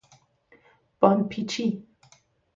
باندپیچی